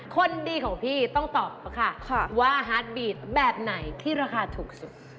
คนดีของพี่ต้องตอบค่ะว่าฮาร์ดบีดแบบไหนที่ราคาถูกสุด